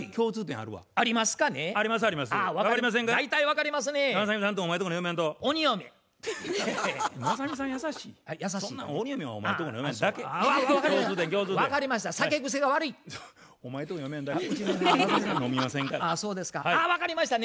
あ分かりましたね。